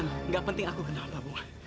bu nggak penting aku kenapa